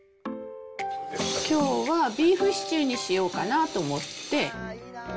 きょうはビーフシチューにしようかなと思って。